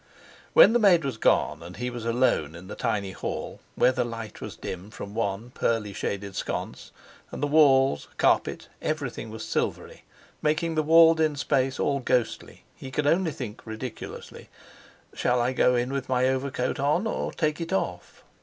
When the maid was gone and he was alone in the tiny hall, where the light was dim from one pearly shaded sconce, and walls, carpet, everything was silvery, making the walled in space all ghostly, he could only think ridiculously: "Shall I go in with my overcoat on, or take it off?"